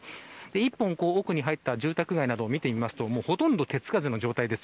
一本奥に入った住宅街などを見てみるとほとんど手つかずの状態です。